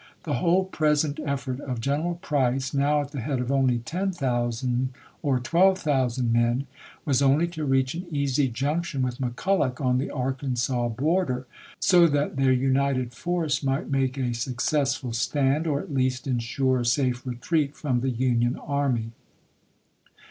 The whole present effort of General Price, now at the head of only 10,000 or pj.ipgto 12,000 men, was only to reach an easy junction olftfefisei. with McCuUoch on the Arkansas border, so that III., p. 720.' their united force might make a successful stand, or at least insure a safe retreat from the Union army.